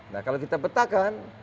nah kalau kita petakan